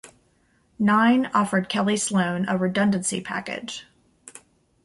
Nine offered Kellie Sloane a redundancy package.